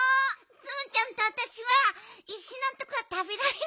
ツムちゃんとあたしはいしのとこはたべられなかった。